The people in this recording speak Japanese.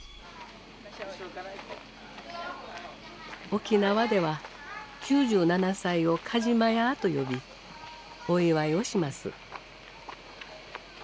沖縄では９７歳を「カジマヤー」と呼びお祝いをします。